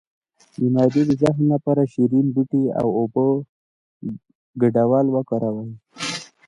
د معدې د زخم لپاره د شیرین بویې او اوبو ګډول وکاروئ